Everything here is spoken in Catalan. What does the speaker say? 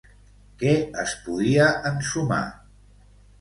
Què es podia ensumar?